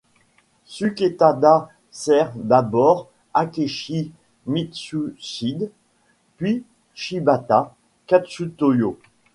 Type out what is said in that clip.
Suketada sert d'abord Akechi Mitsuhide puis Shibata Katsutoyo.